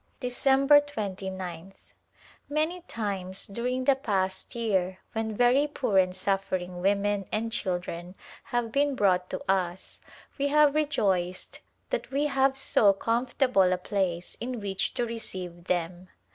December 2gih. Many times during the past year when very poor and suffering women and children have been brought to us we have rejoiced that we have so comfortable a place in which to receive them.